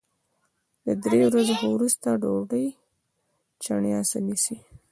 د درې ورځو وروسته ډوډۍ چڼېسه نیسي